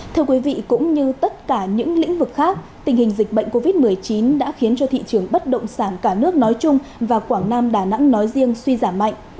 thưa quý vị cũng như tất cả những lĩnh vực khác tình hình dịch bệnh covid một mươi chín đã khiến cho thị trường bất động sản cả nước nói chung và quảng nam đà nẵng nói riêng suy giảm mạnh